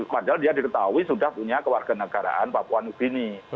padahal dia diketahui sudah punya kewarganegaraan papua nubini